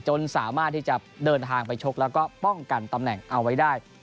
สามารถที่จะเดินทางไปชกแล้วก็ป้องกันตำแหน่งเอาไว้ได้